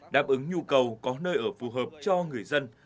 đáp ứng nhu cầu có nơi ở phù hợp cho người dân